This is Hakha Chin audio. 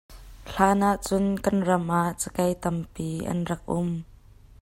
Hlan ah cun kan ram ah cakei tampi an rak um.